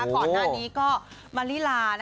ก่อนงานนี้ก็มาลีลานะคะ